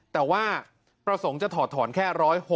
แต่ว่าประสงค์จะถอดถอนแค่๑๖๐